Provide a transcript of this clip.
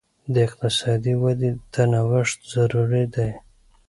د اقتصاد ودې ته نوښت ضروري دی.